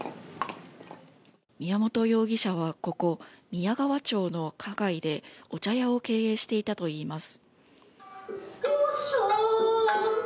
宮本容疑者はここ、宮川町の花街でお茶屋を経営していたといいます。